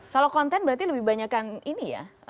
kalau konten berarti lebih banyakkan ini ya jokowi ma'ruf ya